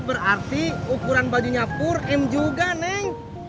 oh berarti ukuran bajunya pur em juga neng